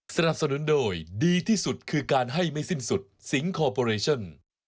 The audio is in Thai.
สนับสนุนโดยดีที่สุดคือการให้ไม่สิ้นสุดสิงคอร์ปอเรชั่น